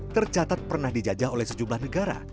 tercatat pernah dijajah oleh sejumlah negara